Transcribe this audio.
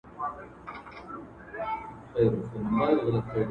لکه سترګي چي یې ډکي سي له ژرګو ..